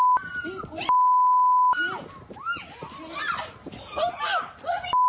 ยังผัวกูเดี๋ยวพ่อเดาแม่ตัวเชื่อ